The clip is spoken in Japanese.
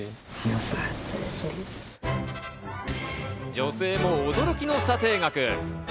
女性も驚きの査定額。